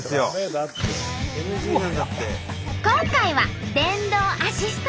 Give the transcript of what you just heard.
今回は電動アシスト付き。